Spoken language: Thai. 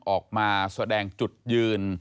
ออกมาแสดงจุดยืน